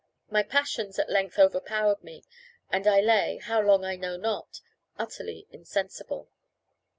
My passions at length overpowered me, and I lay, how long I know not, utterly insensible.